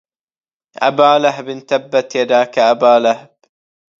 أبا لهب تبت يداك أبا لهب